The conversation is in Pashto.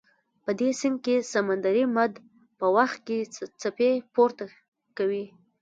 په دې سیند کې سمندري مد په وخت کې څپې پورته کوي.